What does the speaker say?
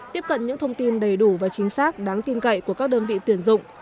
tiếp cận những thông tin đầy đủ và chính xác đáng tin cậy của các đơn vị tuyển dụng